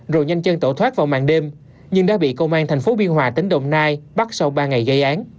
rồi nhanh chân tẩu thoát vào màng đêm nhưng đã bị công an thành phố biên hòa tỉnh đồng nai bắt sau ba ngày gây án